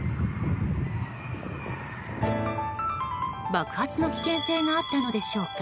爆発の危険性があったのでしょうか。